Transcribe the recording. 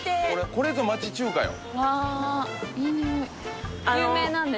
これぞ町中華よ